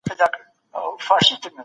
آیا تاسي هره شپه ناوخته بېدېږئ؟